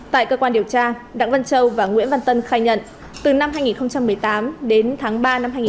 tại cơ quan điều tra đặng văn châu và nguyễn văn tân khai nhận từ năm hai nghìn một mươi tám đến tháng ba năm hai nghìn một mươi chín